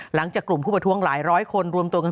หลังจากกลุ่มผู้ประท้วงหลายร้อยคน